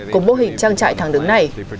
của mô hình trang trại thẳng đứng này